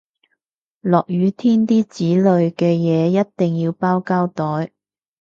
落雨天啲紙類嘅嘢一定要包膠袋